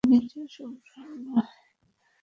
Virginia, এক সপ্তাহ আগেই বলেছি।